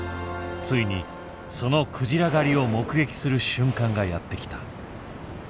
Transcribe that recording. ついにそのクジラ狩りを目撃する瞬間がやってきた。